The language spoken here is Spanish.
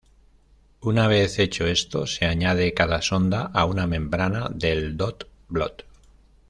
Una vez hecho esto se añade cada sonda a una membrana del dot Blot.